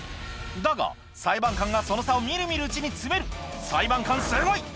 だが裁判官がその差を見る見るうちに詰める裁判官すごい！